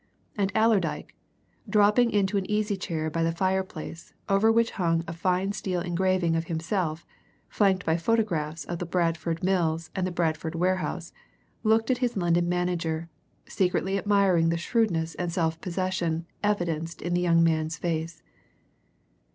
And Allerdyke, dropping into an easy chair by the fireplace, over which hung a fine steel engraving of himself, flanked by photographs of the Bradford mills and the Bradford warehouse, looked at his London manager, secretly admiring the shrewdness and self possession evidenced in the young man's face.